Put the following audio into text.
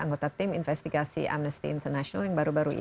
anggota tim amnesty international